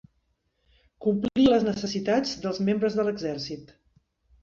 Complia les necessitats dels membres de l'exèrcit.